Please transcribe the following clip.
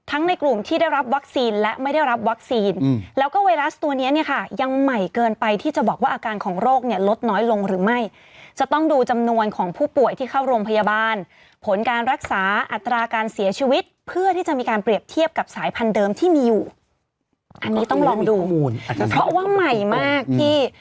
อันนี้ต้องลองดูเพราะว่าใหม่มากที่